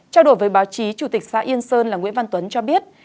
trao đổi với báo chí chủ tịch xã yên sơn là nguyễn văn tuấn cho biết